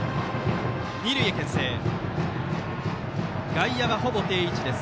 外野はほぼ定位置です。